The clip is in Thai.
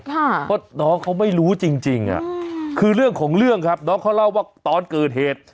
เพราะน้องเขาไม่รู้จริงคือเรื่องของเรื่องครับน้องเขาเล่าว่าตอนเกิดเหตุ